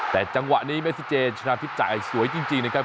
แต่จังหวะนี้เมซิเจนชนะทิพย์จ่ายสวยจริงนะครับ